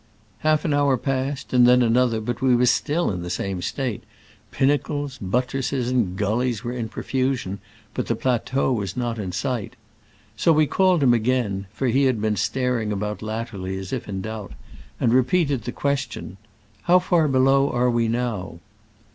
Half an hour passed, and then another, but we were still in the same state : pinnacles, but tresses and gullies were in profusion, but the plateau was not in sight. So we called him again — for he had been staring about latterly as if in doubt — and repeated the question, "How far below are we now